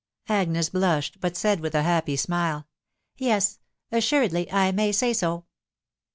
Agnes blushed, but said with a happy smile, " Tes assuredly I may say so."